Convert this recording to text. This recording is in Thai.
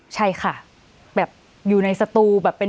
ใช่ค่ะแบบอยู่ในสตูแบบเป็น